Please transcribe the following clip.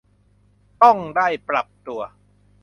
ต้องได้ปรับตัว